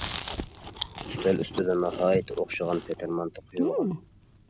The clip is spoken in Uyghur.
ئۈستەل ئۈستىدە ناھايىتى ئوخشىغان پېتىر مانتا قويۇلغان.